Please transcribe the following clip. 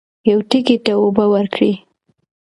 یو تږي ته اوبه ورکړئ.